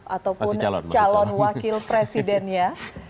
ataupun calon wakil presidennya